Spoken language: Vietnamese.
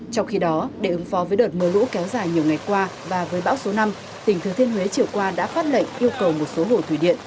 trong khi đó để ứng phó với đợt mưa lũ kéo dài nhiều ngày qua và với bão số năm tỉnh thừa thiên huế chiều qua đã phát lệnh yêu cầu một số hồ thủy điện